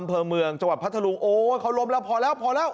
อำเภอเมืองจังหวัดพัทธรุงโอ้ยเขาล้มแล้วพอแล้วพอแล้ว